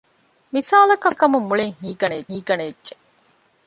މިސާލަކަށް ފިނިގަދަކަމުން މުޅިން ހީގަނެއްޖެ